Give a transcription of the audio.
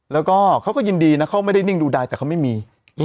แล้วก็เขาก็ยินดีนะเขาไม่ได้นิ่งดูดายแต่เขาไม่มี